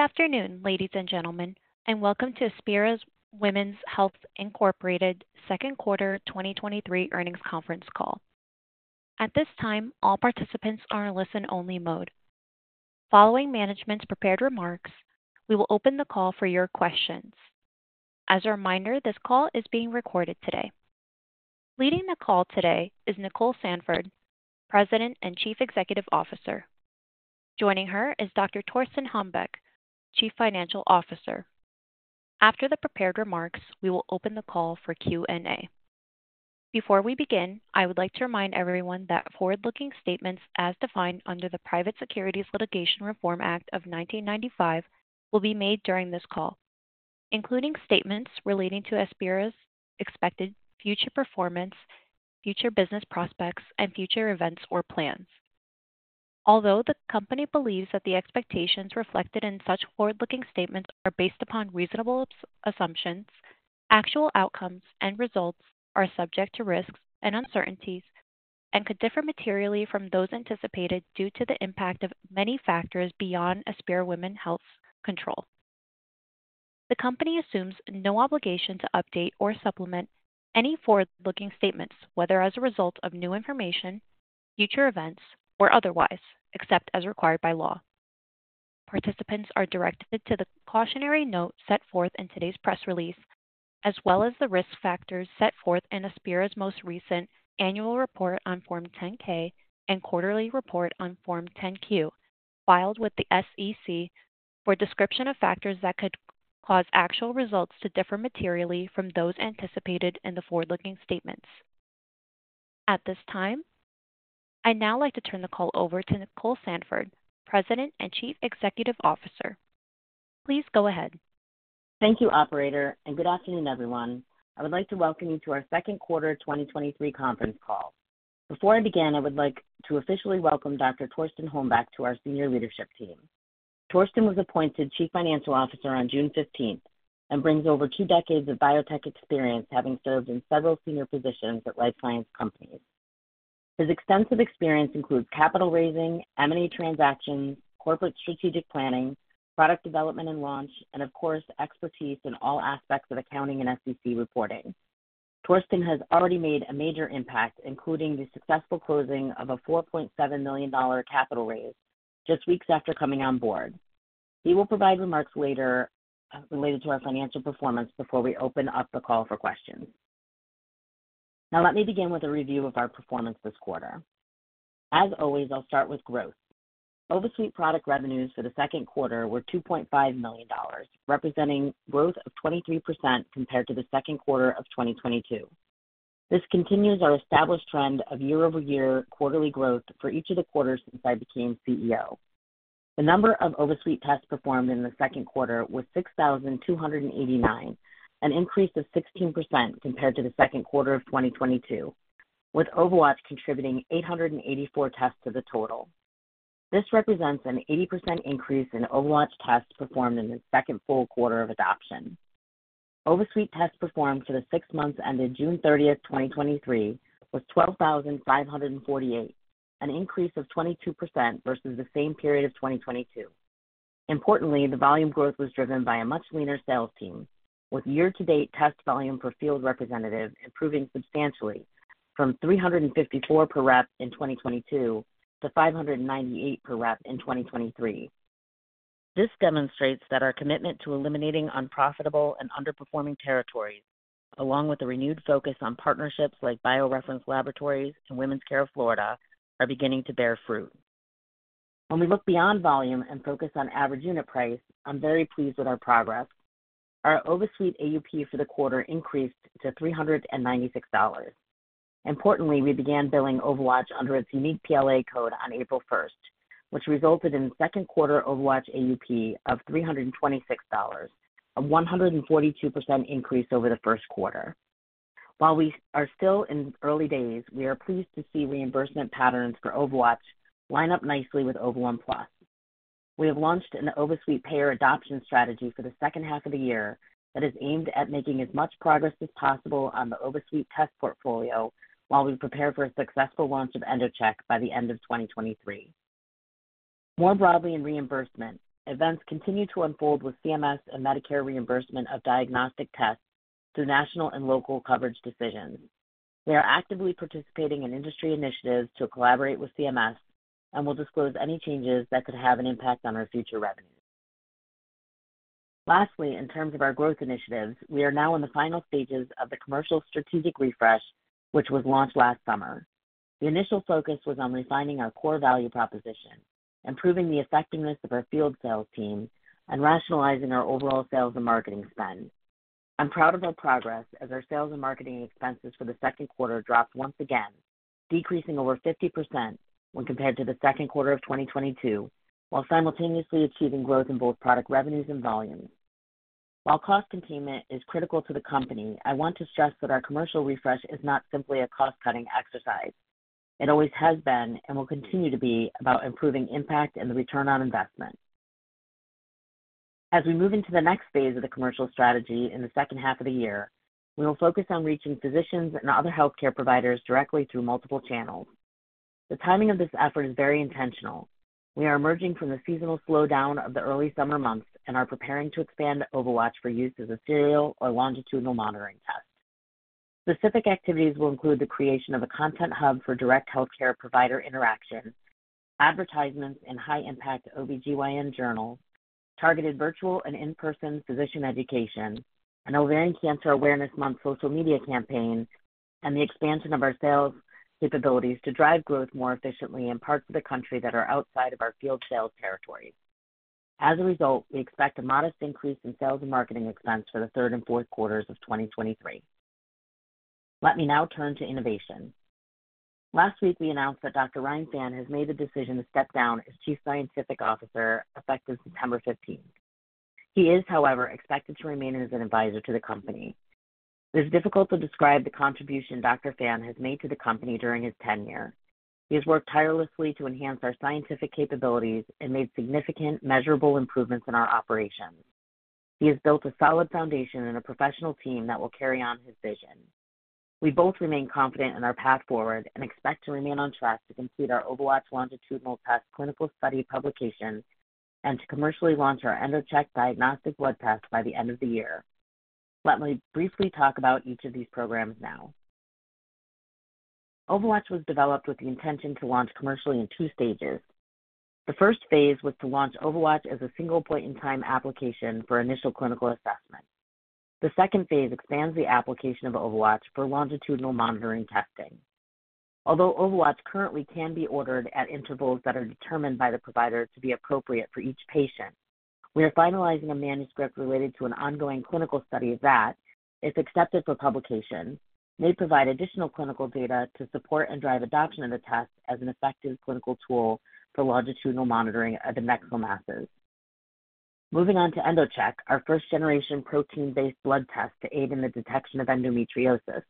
Good afternoon, ladies and gentlemen, and welcome to Aspira Women's Health, Incorporated Second Quarter 2023 Earnings Conference Call. At this time, all participants are in a listen-only mode. Following management's prepared remarks, we will open the call for your questions. As a reminder, this call is being recorded today. Leading the call today is Nicole Sandford, President and Chief Executive Officer. Joining her is Dr. Torsten Hombeck, Chief Financial Officer. After the prepared remarks, we will open the call for Q&A. Before we begin, I would like to remind everyone that forward-looking statements as defined under the Private Securities Litigation Reform Act of 1995 will be made during this call, including statements relating to Aspira's expected future performance, future business prospects, and future events or plans. Although the company believes that the expectations reflected in such forward-looking statements are based upon reasonable assumptions, actual outcomes and results are subject to risks and uncertainties and could differ materially from those anticipated due to the impact of many factors beyond Aspira Women's Health's control. The company assumes no obligation to update or supplement any forward-looking statements, whether as a result of new information, future events, or otherwise, except as required by law. Participants are directed to the cautionary note set forth in today's press release, as well as the risk factors set forth in Aspira's most recent Annual Report on Form 10-K and Quarterly Report on Form 10-Q, filed with the SEC for a description of factors that could cause actual results to differ materially from those anticipated in the forward-looking statements. At this time, I'd now like to turn the call over to Nicole Sandford, President and Chief Executive Officer. Please go ahead. Thank you, operator. Good afternoon, everyone. I would like to welcome you to our second quarter 2023 conference call. Before I begin, I would like to officially welcome Dr. Torsten Hombeck to our senior leadership team. Torsten was appointed Chief Financial Officer on June 15th and brings over two decades of biotech experience, having served in several senior positions at life science companies. His extensive experience includes capital raising, M&A transactions, corporate strategic planning, product development and launch, and of course, expertise in all aspects of accounting and SEC reporting. Torsten has already made a major impact, including the successful closing of a $4.7 million capital raise just weeks after coming on board. He will provide remarks later related to our financial performance before we open up the call for questions. Now let me begin with a review of our performance this quarter. As always, I'll start with growth. OvaSuite product revenues for the second quarter were $2.5 million, representing growth of 23% compared to the second quarter of 2022. This continues our established trend of year-over-year quarterly growth for each of the quarters since I became CEO. The number of OvaSuite tests performed in the second quarter was 6,289, an increase of 16% compared to the second quarter of 2022, with OvaWatch contributing 884 tests to the total. This represents an 80% increase in OvaWatch tests performed in the second full quarter of adoption. OvaSuite tests performed for the six months ended June thirtieth, 2023, was 12,548, an increase of 22% versus the same period of 2022. Importantly, the volume growth was driven by a much leaner sales team, with year-to-date test volume per field representative improving substantially from 354 per rep in 2022 to 598 per rep in 2023. This demonstrates that our commitment to eliminating unprofitable and underperforming territories, along with a renewed focus on partnerships like BioReference Laboratories and Women's Care Florida, are beginning to bear fruit. When we look beyond volume and focus on average unit price, I'm very pleased with our progress. Our OvaSuite AUP for the quarter increased to $396. Importantly, we began billing OvaWatch under its unique PLA code on April 1st, which resulted in second quarter OvaWatch AUP of $326, a 142% increase over the first quarter. While we are still in early days, we are pleased to see reimbursement patterns for OvaWatch line up nicely with Ova1Plus. We have launched an OvaSuite payer adoption strategy for the second half of the year that is aimed at making as much progress as possible on the OvaSuite test portfolio while we prepare for a successful launch of EndoCheck by the end of 2023. More broadly in reimbursement, events continue to unfold with CMS and Medicare reimbursement of diagnostic tests through national and local coverage decisions. We are actively participating in industry initiatives to collaborate with CMS and will disclose any changes that could have an impact on our future revenue. Lastly, in terms of our growth initiatives, we are now in the final stages of the commercial strategic refresh, which was launched last summer. The initial focus was on refining our core value proposition, improving the effectiveness of our field sales team, and rationalizing our overall sales and marketing spend. I'm proud of our progress as our sales and marketing expenses for the second quarter dropped once again, decreasing over 50% when compared to the second quarter of 2022, while simultaneously achieving growth in both product revenues and volumes. While cost containment is critical to the company, I want to stress that our commercial refresh is not simply a cost-cutting exercise. It always has been and will continue to be about improving impact and the return on investment. As we move into the next phase of the commercial strategy in the second half of the year, we will focus on reaching physicians and other healthcare providers directly through multiple channels.... The timing of this effort is very intentional. We are emerging from the seasonal slowdown of the early summer months and are preparing to expand OvaWatch for use as a serial or longitudinal monitoring test. Specific activities will include the creation of a content hub for direct healthcare provider interaction, advertisements in high-impact OBGYN journals, targeted virtual and in-person physician education, an Ovarian Cancer Awareness Month social media campaign, and the expansion of our sales capabilities to drive growth more efficiently in parts of the country that are outside of our field sales territories. As a result, we expect a modest increase in sales and marketing expense for the third and fourth quarters of 2023. Let me now turn to innovation. Last week, we announced that Dr. Ryan Phan has made the decision to step down as Chief Scientific Officer, effective September 15th. He is, however, expected to remain as an advisor to the company. It is difficult to describe the contribution Dr. Phan has made to the company during his tenure. He has worked tirelessly to enhance our scientific capabilities and made significant, measurable improvements in our operations. He has built a solid foundation and a professional team that will carry on his vision. We both remain confident in our path forward and expect to remain on track to complete our OvaWatch longitudinal test clinical study publication and to commercially launch our EndoCheck diagnostic blood test by the end of the year. Let me briefly talk about each of these programs now. OvaWatch was developed with the intention to launch commercially in two stages. The first phase was to launch OvaWatch as a single point-in-time application for initial clinical assessment. The second phase expands the application of OvaWatch for longitudinal monitoring testing. Although OvaWatch currently can be ordered at intervals that are determined by the provider to be appropriate for each patient, we are finalizing a manuscript related to an ongoing clinical study that, if accepted for publication, may provide additional clinical data to support and drive adoption of the test as an effective clinical tool for longitudinal monitoring of the adnexal masses. Moving on to EndoCheck, our first-generation protein-based blood test to aid in the detection of endometriosis.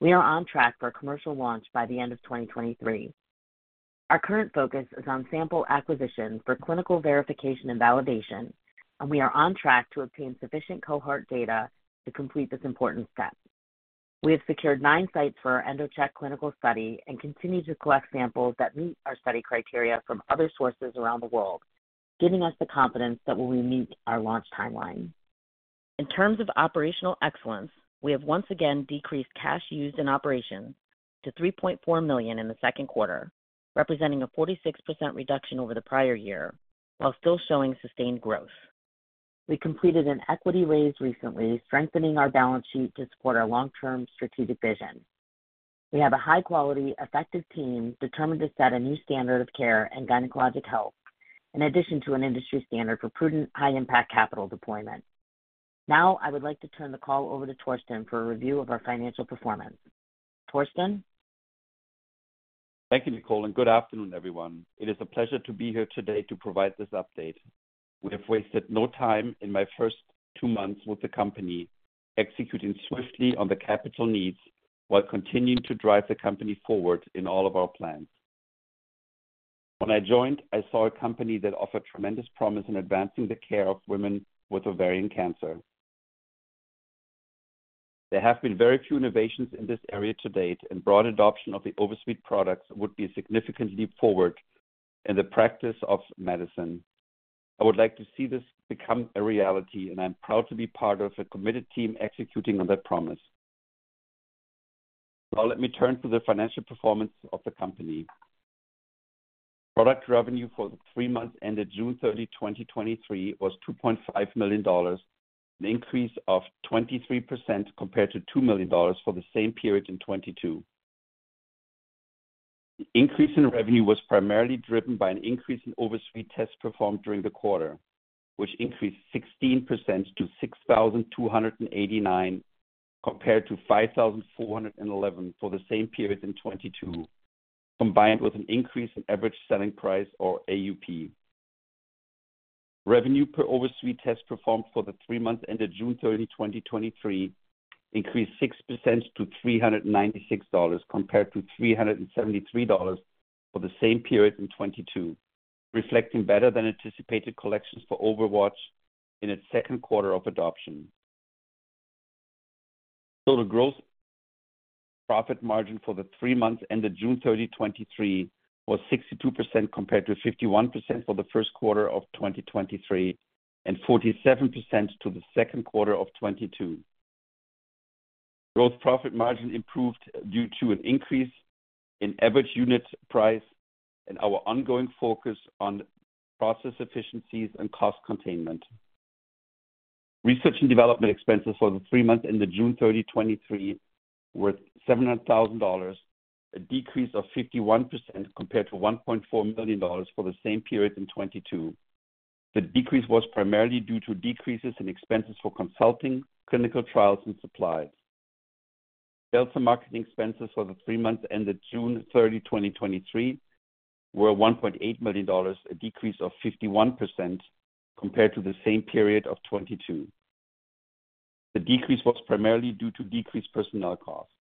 We are on track for a commercial launch by the end of 2023. Our current focus is on sample acquisition for clinical verification and validation, and we are on track to obtain sufficient cohort data to complete this important step. We have secured nine sites for our EndoCheck clinical study and continue to collect samples that meet our study criteria from other sources around the world, giving us the confidence that we will meet our launch timeline. In terms of operational excellence, we have once again decreased cash used in operations to $3.4 million in the second quarter, representing a 46% reduction over the prior year, while still showing sustained growth. We completed an equity raise recently, strengthening our balance sheet to support our long-term strategic vision. We have a high-quality, effective team determined to set a new standard of care in gynecologic health, in addition to an industry standard for prudent, high-impact capital deployment. Now, I would like to turn the call over to Torsten for a review of our financial performance. Torsten? Thank you, Nicole, and good afternoon, everyone. It is a pleasure to be here today to provide this update. We have wasted no time in my first 2 months with the company, executing swiftly on the capital needs while continuing to drive the company forward in all of our plans. When I joined, I saw a company that offered tremendous promise in advancing the care of women with ovarian cancer. There have been very few innovations in this area to date, and broad adoption of the OvaSuite products would be a significant leap forward in the practice of medicine. I would like to see this become a reality, and I'm proud to be part of a committed team executing on that promise. Now, let me turn to the financial performance of the company. Product revenue for the three months ended June 30, 2023, was $2.5 million, an increase of 23% compared to $2 million for the same period in 2022. The increase in revenue was primarily driven by an increase in OvaSuite tests performed during the quarter, which increased 16% to 6,289, compared to 5,411 for the same period in 2022, combined with an increase in average selling price or AUP. Revenue per OvaSuite test performed for the three months ended June 30, 2023, increased 6% to $396, compared to $373 for the same period in 2022, reflecting better than anticipated collections for OvaWatch in its second quarter of adoption. The gross profit margin for the three months ended June 30, 2023, was 62%, compared to 51% for the first quarter of 2023, and 47% to the second quarter of 2022. Gross profit margin improved due to an increase in average unit price and our ongoing focus on process efficiencies and cost containment. Research and development expenses for the three months ended June 30, 2023, were $700,000, a decrease of 51% compared to $1.4 million for the same period in 2022. The decrease was primarily due to decreases in expenses for consulting, clinical trials, and supplies. Sales and marketing expenses for the three months ended June 30, 2023, were $1.8 million, a decrease of 51% compared to the same period of 2022. The decrease was primarily due to decreased personnel costs.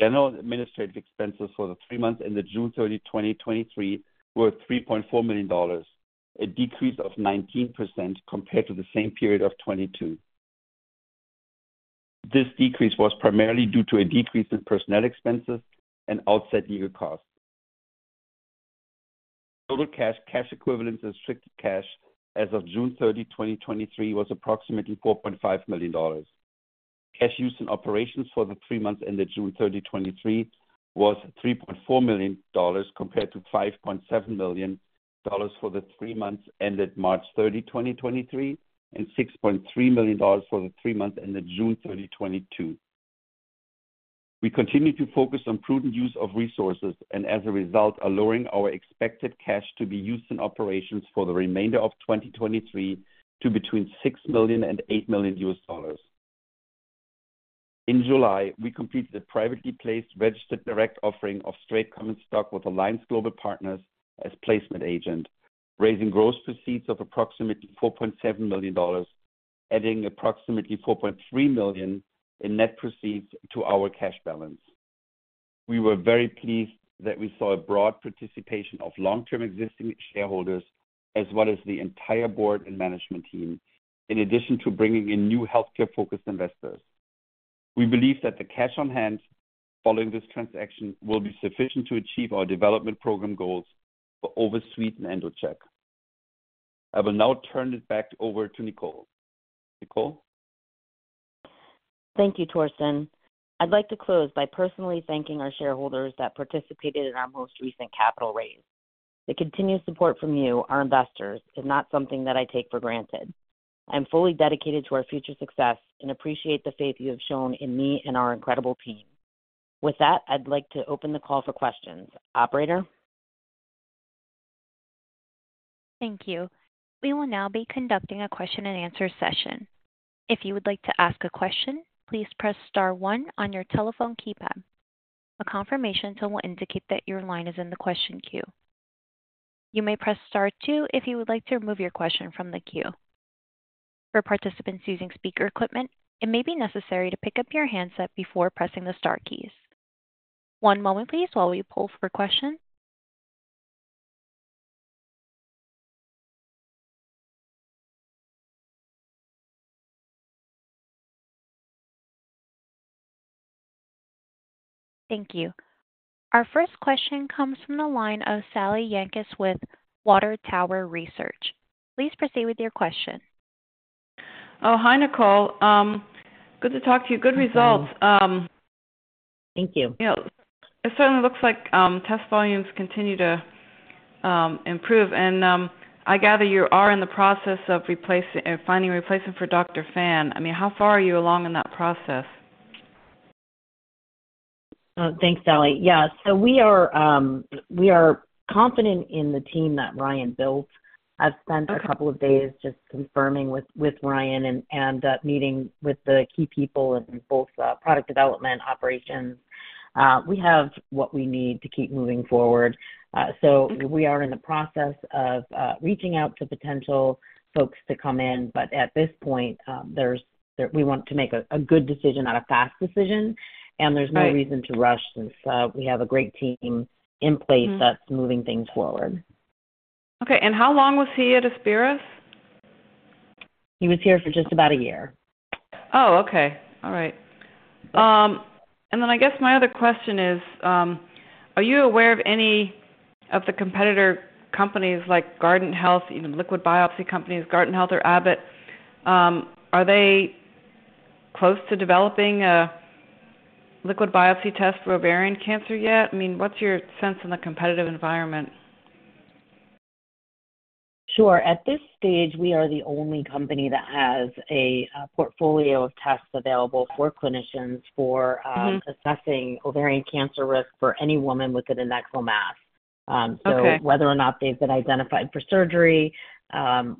General administrative expenses for the three months ended June 30, 2023, were $3.4 million, a decrease of 19% compared to the same period of 2022. This decrease was primarily due to a decrease in personnel expenses and outside legal costs. Total cash, cash equivalents, and restricted cash as of June 30, 2023, was approximately $4.5 million. Cash used in operations for the three months ended June 30, 2023, was $3.4 million, compared to $5.7 million for the three months ended March 30, 2023, and $6.3 million for the three months ended June 30, 2022. We continue to focus on prudent use of resources and, as a result, are lowering our expected cash to be used in operations for the remainder of 2023 to between $6 million and $8 million. In July, we completed a privately placed registered direct offering of straight common stock with Alliance Global Partners as placement agent, raising gross proceeds of approximately $4.7 million, adding approximately $4.3 million in net proceeds to our cash balance. We were very pleased that we saw a broad participation of long-term existing shareholders, as well as the entire board and management team, in addition to bringing in new healthcare-focused investors. We believe that the cash on hand following this transaction will be sufficient to achieve our development program goals for OvaSuite and EndoCheck. I will now turn it back over to Nicole. Nicole? Thank you, Torsten. I'd like to close by personally thanking our shareholders that participated in our most recent capital raise. The continued support from you, our investors, is not something that I take for granted. I'm fully dedicated to our future success and appreciate the faith you have shown in me and our incredible team. With that, I'd like to open the call for questions. Operator? Thank you. We will now be conducting a question and answer session. If you would like to ask a question, please press star one on your telephone keypad. A confirmation tone will indicate that your line is in the question queue. You may press star two if you would like to remove your question from the queue. For participants using speaker equipment, it may be necessary to pick up your handset before pressing the star keys. One moment please while we pull for questions. Thank you. Our first question comes from the line of Sallie Yanchus with Water Tower Research. Please proceed with your question. Oh, hi, Nicole. Good to talk to you. Good results. Thank you. You know, it certainly looks like test volumes continue to improve. I gather you are in the process of replacing, finding a replacement for Dr. Phan. I mean, how far are you along in that process? Thanks, Sally Yanchus. Yeah. We are confident in the team that Ryan built. I've spent a couple of days just confirming with, with Ryan and, and meeting with the key people in both product development operations. We have what we need to keep moving forward. We are in the process of reaching out to potential folks to come in, but at this point, we want to make a good decision, not a fast decision, and there's no reason to rush since we have a great team in place. Mm-hmm. -that's moving things forward. Okay. How long was he at Aspira? He was here for just about a year. Oh, okay. All right. I guess my other question is, are you aware of any of the competitor companies like Guardant Health, you know, liquid biopsy companies, Guardant Health or Abbott? Are they close to developing a liquid biopsy test for ovarian cancer yet? I mean, what's your sense in the competitive environment? Sure. At this stage, we are the only company that has a portfolio of tests available for clinicians for- Mm-hmm. -assessing ovarian cancer risk for any woman with an adnexal mass. Okay. whether or not they've been identified for surgery,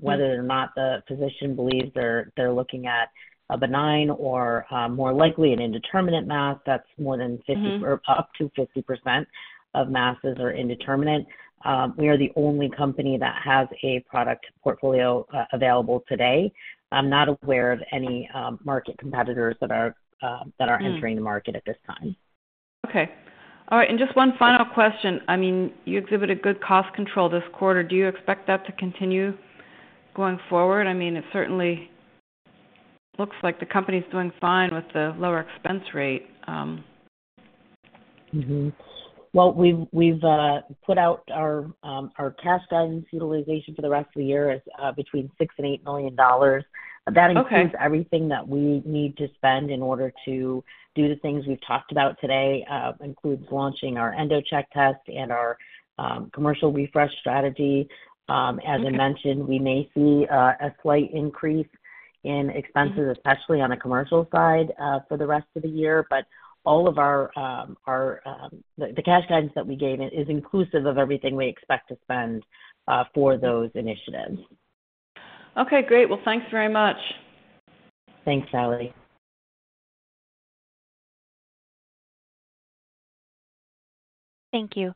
whether or not the physician believes they're, they're looking at a benign or, more likely an indeterminate mass, that's more than 50- Mm-hmm. -or up to 50% of masses are indeterminate. We are the only company that has a product portfolio available today. I'm not aware of any market competitors that are that are entering- Mm. the market at this time. Okay. All right, just one final question. I mean, you exhibited good cost control this quarter. Do you expect that to continue going forward? I mean, it certainly looks like the company's doing fine with the lower expense rate. Well, we've, we've put out our cash guidance utilization for the rest of the year is between $6 million and $8 million. Okay. That includes everything that we need to spend in order to do the things we've talked about today, includes launching our EndoCheck test and our, commercial refresh strategy. Okay. As I mentioned, we may see a slight increase in expenses. Mm -especially on the commercial side, for the rest of the year. All of our... The cash guidance that we gave is inclusive of everything we expect to spend, for those initiatives. Okay, great. Well, thanks very much. Thanks, Sally. Thank you.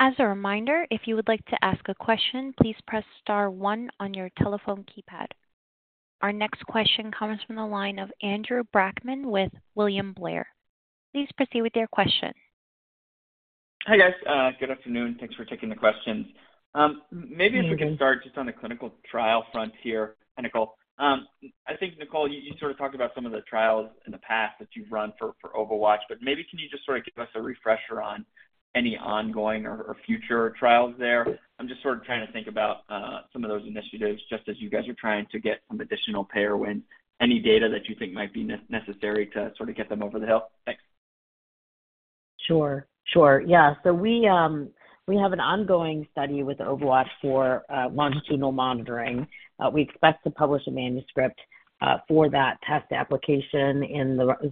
As a reminder, if you would like to ask a question, please press star one on your telephone keypad. Our next question comes from the line of Andrew Brackmann with William Blair. Please proceed with your question. Hi, guys. Good afternoon. Thanks for taking the questions. Maybe if we can start just on the clinical trial front here, Nicole. I think, Nicole, you, you sort of talked about some of the trials in the past that you've run for, for OvaWatch. Maybe can you just sort of give us a refresher on any ongoing or, or future trials there? I'm just sort of trying to think about some of those initiatives, just as you guys are trying to get some additional payer win, any data that you think might be necessary to sort of get them over the hill. Thanks. Sure, sure. Yeah. We have an ongoing study with OvaWatch for longitudinal monitoring. We expect to publish a manuscript for that test application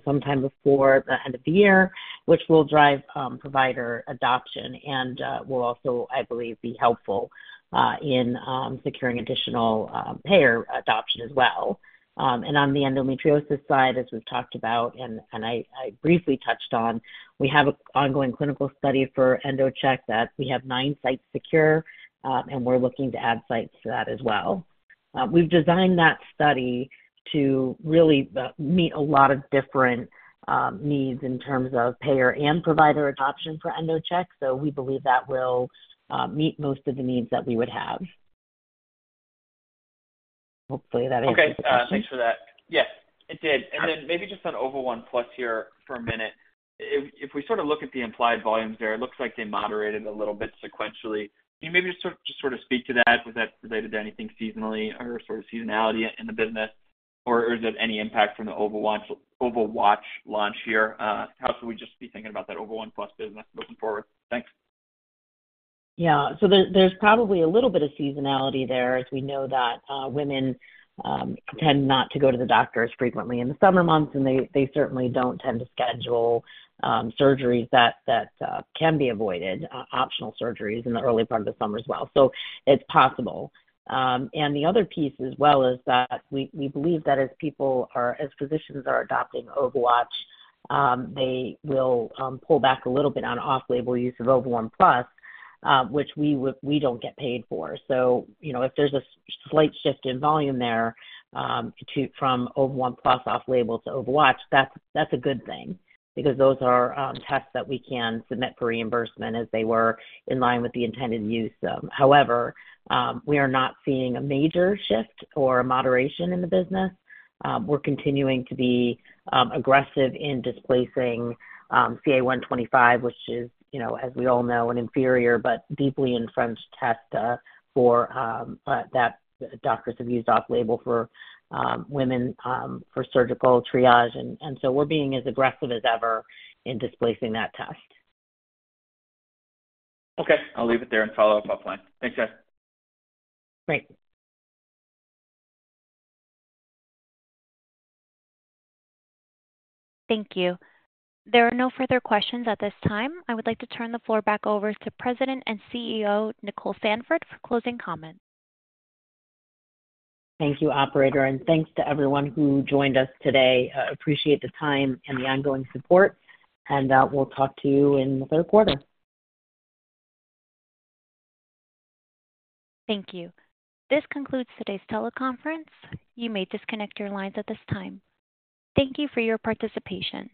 sometime before the end of the year, which will drive provider adoption and will also, I believe, be helpful in securing additional payer adoption as well. On the endometriosis side, as we've talked about and, and I, I briefly touched on, we have an ongoing clinical study for EndoCheck that we have nine sites secure, and we're looking to add sites to that as well. We've designed that study to really meet a lot of different needs in terms of payer and provider adoption for EndoCheck, so we believe that will meet most of the needs that we would have. Hopefully, that answers the question. Okay. Thanks for that. Yes, it did. Sure. Maybe just on Ova1Plus here for a minute. If, if we sort of look at the implied volumes there, it looks like they moderated a little bit sequentially. Can you maybe just sort of speak to that? Was that related to anything seasonally or sort of seasonality in the business, or is it any impact from the OvaWatch launch here? How should we just be thinking about that Ova1Plus business looking forward? Thanks. Yeah. There, there's probably a little bit of seasonality there, as we know that women tend not to go to the doctor as frequently in the summer months, and they, they certainly don't tend to schedule surgeries that can be avoided, optional surgeries in the early part of the summer as well. It's possible. The other piece as well is that we believe that as physicians are adopting OvaWatch, they will pull back a little bit on off-label use of Ova1Plus, which we don't get paid for. You know, if there's a slight shift in volume there from Ova1Plus off label to OvaWatch, that's, that's a good thing because those are tests that we can submit for reimbursement as they were in line with the intended use. However, we are not seeing a major shift or a moderation in the business. We're continuing to be aggressive in displacing CA-125, which is, you know, as we all know, an inferior but deeply entrenched test, for that doctors have used off label for women for surgical triage. We're being as aggressive as ever in displacing that test. Okay. I'll leave it there and follow up offline. Thanks, guys. Great. Thank you. There are no further questions at this time. I would like to turn the floor back over to President and CEO, Nicole Sandford, for closing comments. Thank you, operator, and thanks to everyone who joined us today. Appreciate the time and the ongoing support, and, we'll talk to you in the third quarter. Thank you. This concludes today's teleconference. You may disconnect your lines at this time. Thank you for your participation.